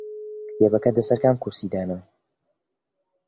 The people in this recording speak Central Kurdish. کتێبەکەت لەسەر کام کورسی دانا؟